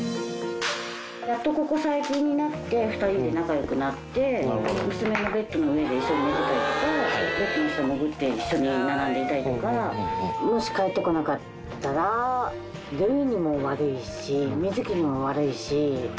やっとここ最近になって２人で仲よくなって、娘のベッドの上で一緒に寝てたりとか、ベッドの下で一緒に並んでいたりとか、もし帰ってこなかったら、るいにも悪いし、みづきにも悪いし。